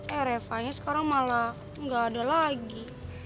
eh revanya sekarang malah gak ada lagi